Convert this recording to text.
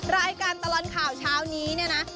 รายการตลอดข่าวเช้านี้เนี่ยนะ